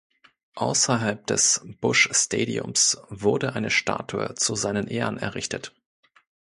Außerhalb des Bush Stadiums wurde eine Statue zu seinen Ehren errichtet.